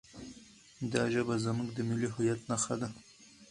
دا ژبه زموږ د ملي هویت نښه ده.